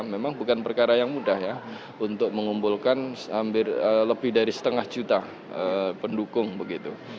memang bukan perkara yang mudah ya untuk mengumpulkan hampir lebih dari setengah juta pendukung begitu